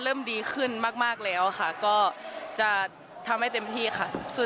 เริ่มดีขึ้นมากแล้วค่ะก็จะทำให้เต็มที่ค่ะ